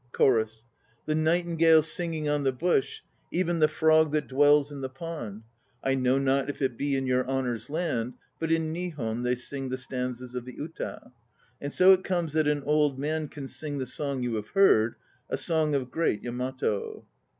CHORUS. "The nightingale singing on the bush, Even the frog that dwells in the pond I know not if it be in your Honour's land, But in Nihon they sing the stanzas of the "uta." And so it comes that an old man Can sing the song you have heard, A song of great Yamato.